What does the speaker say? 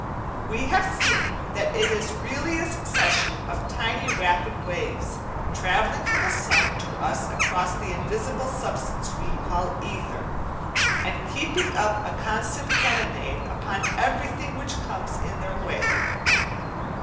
We have seen that it is really a succession of tiny rapid waves, travelling from the sun to us across the invisible substance we call "ether", and keeping up a constant cannonade upon everything which comes in their way.